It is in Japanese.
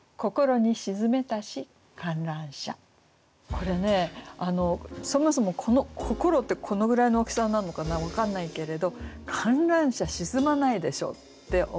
これねそもそもこころってこのぐらいの大きさになんのかな分かんないけれど観覧車沈まないでしょって思う大きさですよね。